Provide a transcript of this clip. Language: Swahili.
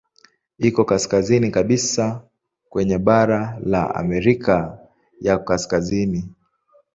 Iko kaskazini kabisa kwenye bara la Amerika ya Kaskazini.